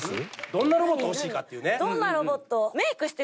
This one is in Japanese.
どんなロボット欲しいかっていうね。